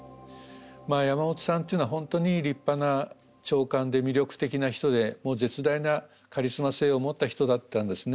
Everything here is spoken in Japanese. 山本さんっていうのは本当に立派な長官で魅力的な人でもう絶大なカリスマ性を持った人だったんですね。